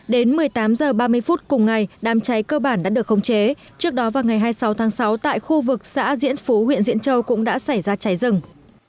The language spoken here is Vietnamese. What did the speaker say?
đến một mươi tám h ba mươi phút cùng ngày đám cháy cơ bản đã được khống chế trước đó vào ngày hai mươi sáu tháng sáu tại khu vực xã diễn phú huyện diễn châu cũng đã xảy ra cháy rừng